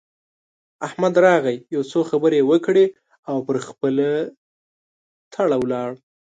احمد راغی؛ يو څو خبرې يې وکړې او پر خپله تړه ولاړ.